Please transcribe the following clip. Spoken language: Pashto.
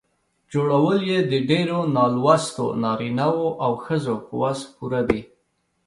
جوړول یې د ډېرو نالوستو نارینه وو او ښځو په وس پوره دي.